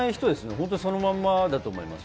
本当にそのまんまだと思います。